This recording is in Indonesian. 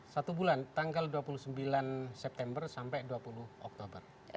satu bulan tanggal dua puluh sembilan september sampai dua puluh oktober